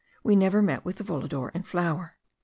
We never met with the volador in flower.)